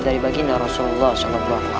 dari baginda rasulullah saw